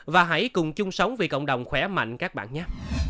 và hãy cùng chung sống vì cộng đồng khỏe mạnh các bạn nhất